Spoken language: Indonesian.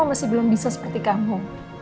masih belum bisa seperti kamu